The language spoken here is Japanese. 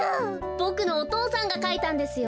ボクのお父さんがかいたんですよ。